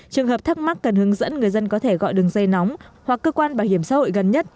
trường hợp thắc mắc cần hướng dẫn người dân có thể gọi đường dây nóng hoặc cơ quan bảo hiểm xã hội gần nhất